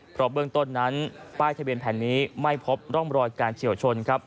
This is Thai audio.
เพราะเบื้องต้นนั้นป้ายทะเบียนแผ่นนี้ไม่พบร่องรอยการเฉียวชนครับ